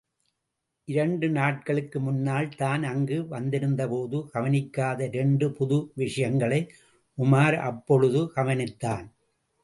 இரண்டு நாட்களுக்கு முன்னால் தான் அங்கு வந்திருந்தபோது கவனிக்காத இரண்டு புது விஷயங்களை உமார் அப்பொழுது கவனித்தான்.